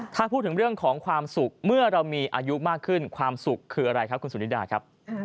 ถ้าพูดถึงเรื่องของความสุขเมื่อเรามีอายุมากขึ้นความสุขคืออะไรครับคุณสุนิดาครับ